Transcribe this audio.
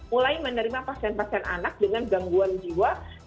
mulai menerima pasien pasien anak dengan gangguan jiwa